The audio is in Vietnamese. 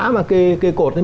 mà cái cột này